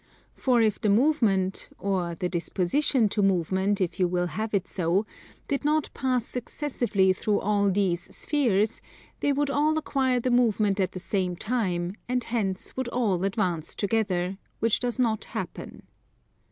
For if the movement, or the disposition to movement, if you will have it so, did not pass successively through all these spheres, they would all acquire the movement at the same time, and hence would all advance together; which does not happen.